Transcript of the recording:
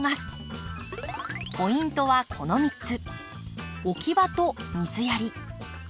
ポイントはこの３つ。